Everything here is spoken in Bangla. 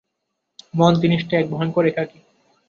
মন জিনিসটা কী ভয়ংকর একাকী!